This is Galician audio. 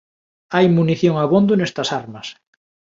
Hai munición abondo nestas armas.